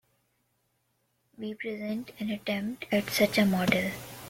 We present an attempt at such a model.